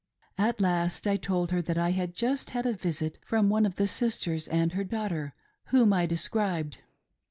At last I told her that I had just had a visit from 'one of the sisters and her daughter, whom I described.